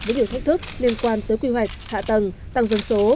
với điều thách thức liên quan tới quy hoạch hạ tầng tăng dân số